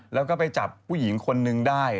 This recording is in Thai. แล้วก็ไปจับผู้หญิงคนนึงได้